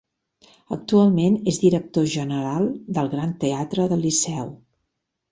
Actualment és director general del Gran Teatre del Liceu.